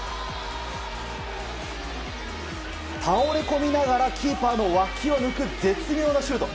倒れこみながらキーパーの脇を抜く絶妙なシュート。